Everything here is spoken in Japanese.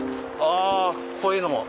あこういうのも？